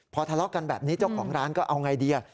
พอทะเลาะกันแบบนี้เจ้าของร้านก็เอาไงดี